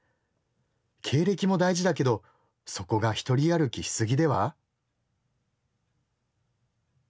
経歴も大事だけどそこが独り歩きしすぎでは？」。